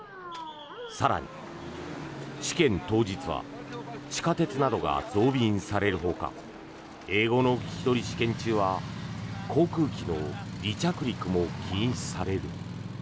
更に試験当日は地下鉄などが増便されるほか英語の聞き取り試験中は航空機の離着陸も禁止される。